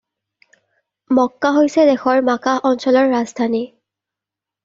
মক্কা হৈছে দেশৰ মাকাহ অঞ্চলৰ ৰাজধানী।